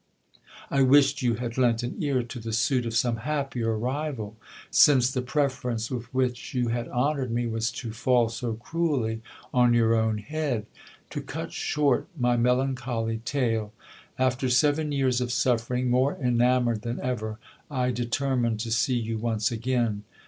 I wished you had lent an ear to the suit of some happier rival, since the prefer ence with which you had honoured me was to fall so cruelly on your own head. To cut short my melancholy tale — after seven years of suffering, more enamoured than ever, I determined to see you once again.